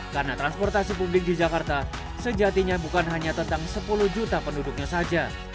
karena transportasi publik di jakarta sejatinya bukan hanya tentang sepuluh juta penduduknya saja